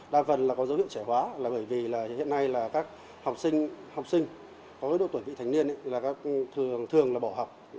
đa phần là có dấu hiệu trẻ hóa là bởi vì hiện nay là các học sinh có độ tuổi bị thành niên là thường bỏ học